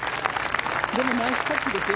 でもナイスタッチですよ。